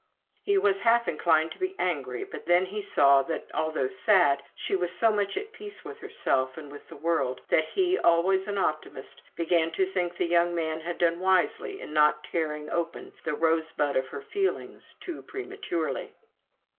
He was half inclined to be angry; but then he saw that, although sad, she was so much at peace with herself and with the world, that he, always an optimist, began to think the young man had done wisely in not tearing open the rosebud of her feelings too prematurely.